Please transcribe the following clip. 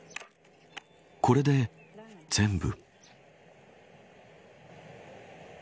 これで全部。